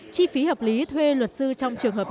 chi phí hợp lý thuê luật sư trong trường hợp